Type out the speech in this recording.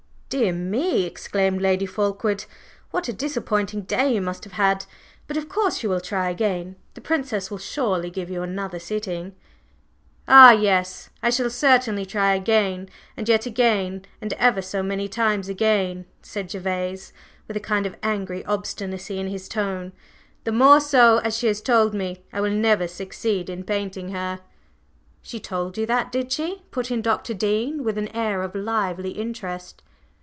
"Dear me!" exclaimed Lady Fulkeward. "What a disappointing day you must have had! But of course, you will try again; the Princess will surely give you another sitting?" "Oh, yes! I shall certainly try again and yet again, and ever so many times again," said Gervase, with a kind of angry obstinacy in his tone, "the more so as she has told me I will never succeed in painting her." "She told you that, did she?" put in Dr. Dean, with an air of lively interest.